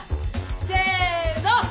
せの。